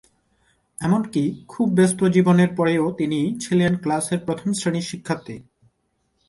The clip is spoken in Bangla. এমনকী খুব ব্যস্ত জীবনের পরেও তিনি ছিলেন ক্লাসের প্রথম শ্রেণির শিক্ষার্থী।